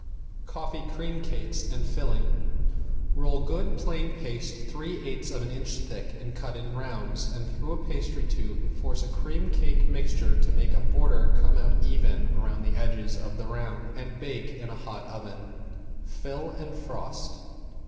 ~COFFEE CREAM CAKES AND FILLING~ Roll good plain paste three eighths of an inch thick and cut in rounds and through a pastry tube force a cream cake mixture to make a border come out even with the edge of the round, and bake in a hot oven. Fill and frost.